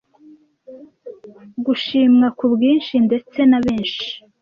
gushimwa kubwinshi ndetse nabenshi